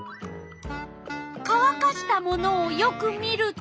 かわかしたものをよく見ると？